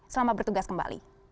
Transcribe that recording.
selamat bertugas kembali